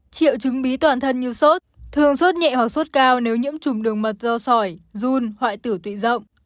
triệu chứng bí toàn thân như sốt thường sốt nhẹ hoặc sốt cao nếu nhiễm trùng đường mật do sỏi run hoại tử tụy rộng